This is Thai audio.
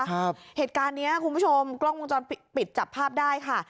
เหตุการณ์เนี้ยคุณผู้ชมกล้องวงจรปิดปิดจับภาพได้ค่ะ